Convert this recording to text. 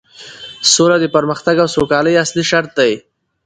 سوله د پرمختګ او سوکالۍ اصلي شرط دی